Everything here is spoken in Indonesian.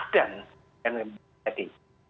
dan yang akan terjadi